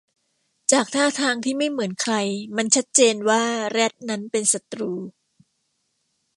จากท่าทางที่ไม่เหมือนใครมันชัดเจนว่าแรดนั้นเป็นศัตรู